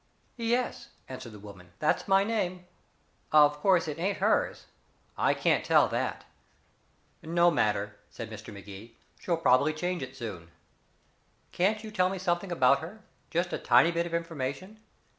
"Yes," answered the woman, "that's my name. Of course, it ain't hers. I can't tell that." "No matter," said Mr. Magee, "she'll probably change it soon. Can't you tell me something about her just a tiny bit of information.